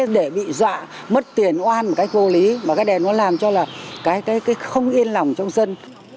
để bị dọa mất tuyển oan một cách vô lý mà các đèn nó làm cho là cái không yên lòng trong dân